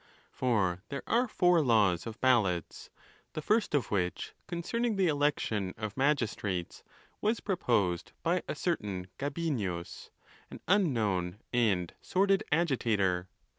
For there are four laws of ballots; the first of which, con cerning the election of magistrates, was proposed by a certain Gabinius, an unknown and sordid agitator.